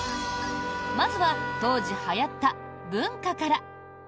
まずは当時、はやった文化から。